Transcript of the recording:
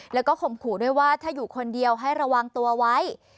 แล้วก็ข่มขู่ด้วยว่าถ้าอยู่คนเดียวให้ระวังตัวไว้